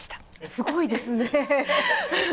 すごいですね。